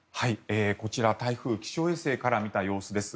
こちら、台風気象衛星から見た様子です。